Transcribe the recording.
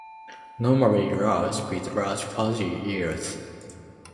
Normally large with large fuzzy ears.